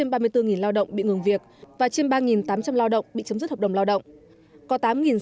trên ba mươi bốn lao động bị ngừng việc và trên ba tám trăm linh lao động bị chấm dứt hợp đồng lao động